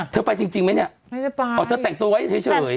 เธอไปจริงไหมเนี่ยอ๋อเธอแต่งตัวไว้เฉย